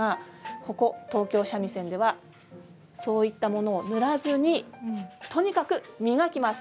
ここ東京三味線ではそういったものを塗らずにとにかく磨きます。